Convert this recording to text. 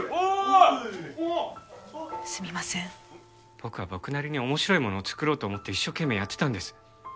僕は僕なりに面白いものを作ろうと思って一生懸命やってたんです。